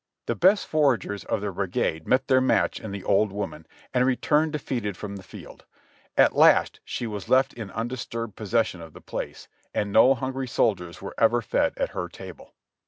The best foragers of the brigade met their match in the old woman, and returned defeated from the field ; at last she was left in undisturbed possession of the place, and no hungry sol diers were ever fed at her table.